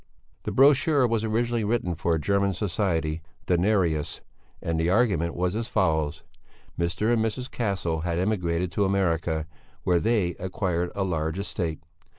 The brochure was originally written for a German society, the "Nereus," and the argument was as follows: Mr. and Mrs. Castle had emigrated to America, where they acquired a large estate.